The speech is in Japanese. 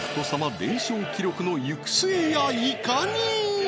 連勝記録の行く末やいかに？